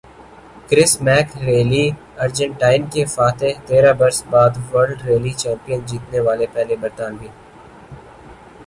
کرس Meeke rally Argentina کے فاتح تیرہ برس بعد ورلڈ ریلی چیمپئن جیتنے والے پہلے برطانوی